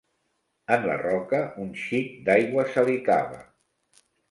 En la roca, un xic d'aigua salicava.